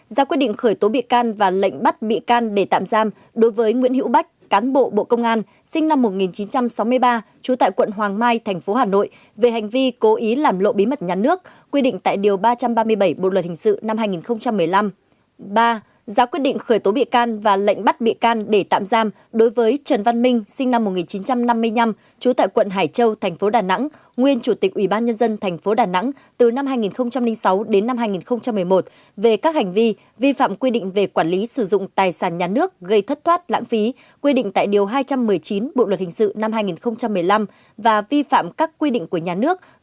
bốn giá quyết định khởi tố bị can và áp dụng lệnh cấm đi khỏi nơi cư trú đối với văn hữu chiến sinh năm một nghìn chín trăm năm mươi bốn trú tại quận hải châu tp đà nẵng nguyên chủ tịch ủy ban nhân dân tp đà nẵng từ năm hai nghìn một mươi một đến năm hai nghìn một mươi năm